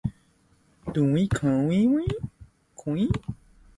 Per què creu Colau que servirà l'observatori?